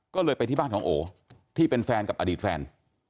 ก็เลยไปที่บ้านของโอที่เป็นแฟนกับอดีตแฟน